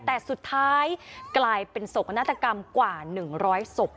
แต่สุดท้ายกลายเป็นโศกนาฏกรรมกว่า๑๐๐ศพ